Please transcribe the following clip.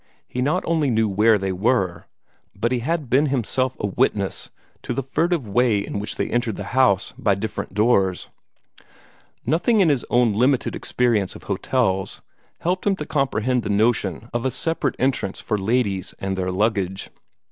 He not only knew where they were, but he had been himself a witness to the furtive way in which they entered the house by different doors. Nothing in his own limited experience of hotels helped him to comprehend the notion of a separate entrance for ladies and their luggage.